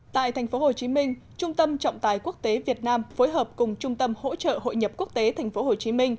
tại tp hcm trung tâm trọng tài quốc tế việt nam phối hợp cùng trung tâm hỗ trợ hội nhập quốc tế tp hcm